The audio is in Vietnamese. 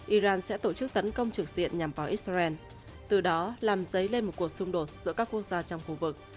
iran sẽ tổ chức tấn công trực diện nhằm vào israel từ đó làm dấy lên một cuộc xung đột giữa các quốc gia trong khu vực